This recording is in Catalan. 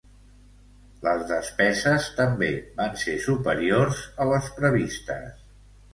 Les despeses també van ser superiors a les previstes.